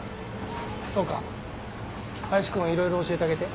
そうか林君いろいろ教えてあげて。